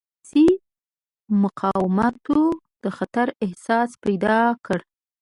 انګلیسي مقاماتو د خطر احساس پیدا کړ.